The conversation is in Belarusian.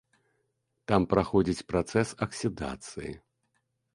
Там праходзіць працэс аксідацыі.